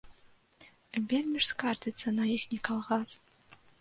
Вельмі ж скардзіцца на іхні калгас.